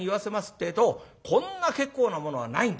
ってえとこんな結構なものはないんだと。